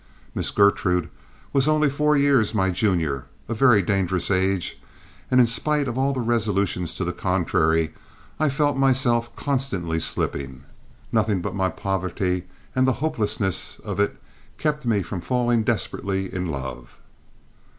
Miss Gertrude was only four years my junior, a very dangerous age, and in spite of all resolutions to the contrary, I felt myself constantly slipping. Nothing but my poverty and the hopelessness of it kept me from falling desperately in love.